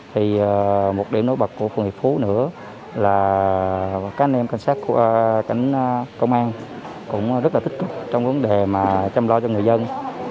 thì một điểm nối bật của phường hiệp phú nữa là các anh em cảnh sát của công an cũng rất là tích cực trong vấn đề mà chăm lo cho người dân